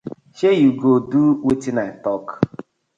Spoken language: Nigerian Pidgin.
Shey yu go do wetin I tok.